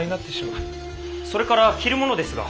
それから着るものですが。